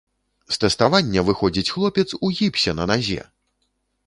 З тэставання выходзіць хлопец у гіпсе на назе!